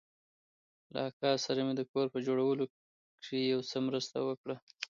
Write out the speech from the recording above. له اکا سره مې د کور په جوړولو کښې يو څه مرسته وکړه.